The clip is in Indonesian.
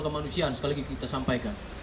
sekali lagi kita sampaikan